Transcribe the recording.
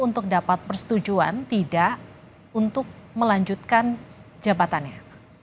untuk dapat persetujuan tidak untuk melanjutkan jabatannya